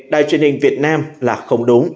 đài truyền hình việt nam là không đúng